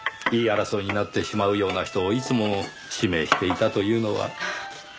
言い争いになってしまうような人をいつも指名していたというのは。